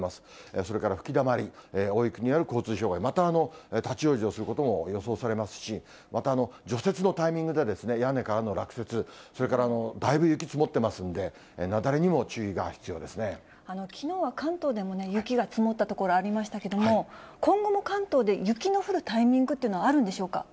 それから吹きだまり、大雪による交通障害、また立往生することも予想されますし、また除雪のタイミングで、屋根からの落雪、それからだいぶ雪積もってますんで、雪崩にも注きのうは関東でもね、雪が積もった所ありましたけれども、今後も関東で雪の降るタイミングっていうのはあるんでしょうか。